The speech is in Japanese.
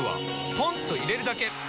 ポンと入れるだけ！